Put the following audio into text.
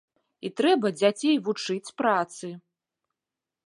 І трэба дзяцей вучыць працы.